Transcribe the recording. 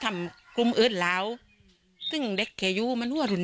ท่านก็ไลลูกไปเดียน